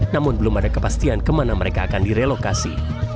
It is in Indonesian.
namun belum ada kepastian kemana mereka akan direlokasi